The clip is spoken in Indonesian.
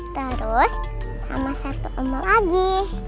terus sama satu omong lagi